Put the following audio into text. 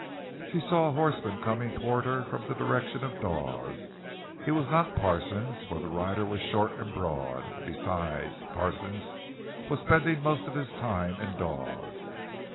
She saw a horseman coming toward her from the direction of Dawes. He was not Parsons—for the rider was short and broad; and besides, Parsons was spending most of his time in Dawes.